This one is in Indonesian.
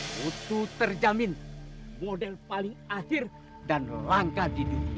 butuh terjamin model paling akhir dan langka di dunia